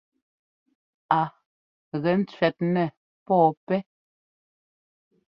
Á gɛ cʉɛt nɛɛ pɔɔpɛ́.